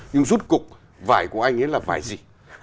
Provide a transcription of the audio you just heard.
nhưng rút cục vải của anh ấy là phải gì